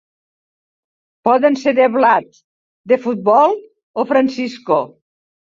Poden ser de blat, de futbol o Francisco.